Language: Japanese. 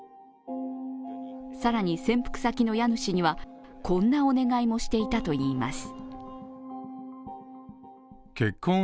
更に、潜伏先の家主にはこんなお願いもしていたといいます。